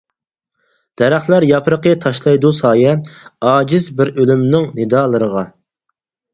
دەرەخلەر ياپرىقى تاشلايدۇ سايە، ئاجىز بىر ئۆلۈمنىڭ نىدالىرىغا.